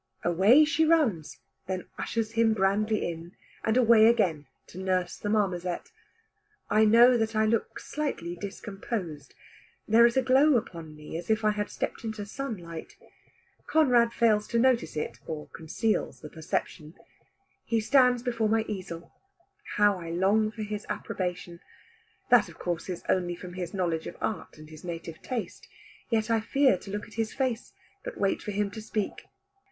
Away she runs, then ushers him grandly in, and away again to nurse the marmoset. I know that I look slightly discomposed. There is a glow upon me as if I had stepped into sunlight. Conrad fails to notice it, or conceals the perception. He stands before my easel. How I long for his approbation! That of course is only from his knowledge of art and his native taste. Yet I fear to look at his face, but wait for him to speak.